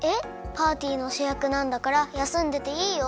パーティーのしゅやくなんだからやすんでていいよ？